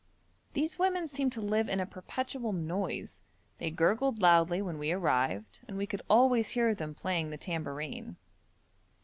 These women seem to live in a perpetual noise: they gurgled loudly when we arrived, and we could always hear them playing the tambourine.